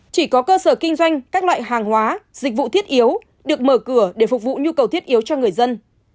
chỉ có cơ sở kinh doanh các loại hàng hóa dịch vụ thiết yếu được mở cửa để phục vụ nhu cầu thiết yếu cho người dân